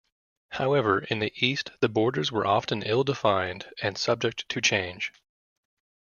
However, in the east the borders were often ill-defined and subject to change.